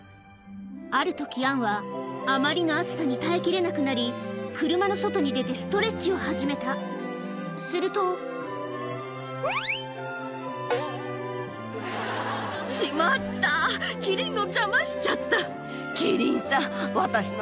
ある時アンはあまりの暑さに耐えきれなくなり車の外に出てストレッチを始めたするとって謝りながら車に戻ったの。